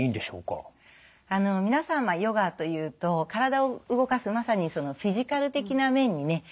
皆さんはヨガというと体を動かすまさにフィジカル的な面にね